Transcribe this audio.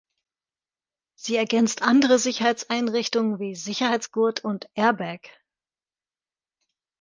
Sie ergänzt andere Sicherheitseinrichtungen wie Sicherheitsgurt und Airbag.